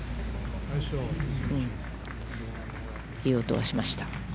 いい音がしました。